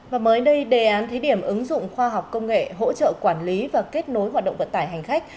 và mới đây đề án thí điểm ứng dụng khoa học công nghệ hỗ trợ quản lý và kết nối hoạt động vận tải hành khách